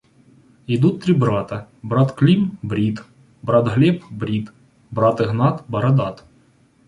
Идут три брата: брат Клим брит, брат Глеб брит, брат Игнат бородат.